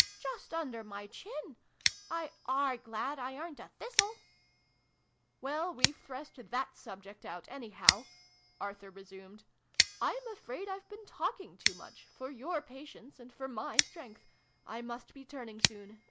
" Just under my chin ! I are glad I aren't a thistle !"" Well, we've threshed that subject out, anyhow !" Arthur resumed. "I'm afraid I've been talking too much, for your patience and for my strength. I must be turning soon.